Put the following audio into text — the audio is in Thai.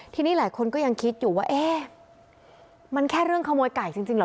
ทีนี้หลายคนก็ยังคิดอยู่ว่าเอ๊ะมันแค่เรื่องขโมยไก่จริงเหรอ